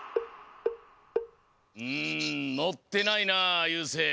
うんのってないなゆうせい。